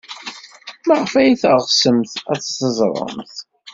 Maɣef ay teɣsemt ad teẓremt?